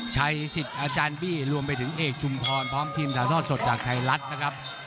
ชัยสิทธิ์อาจารย์บี้รวมไปถึงเอกชุมพรพร้อมทีมถ่ายทอดสดจากไทยรัฐนะครับ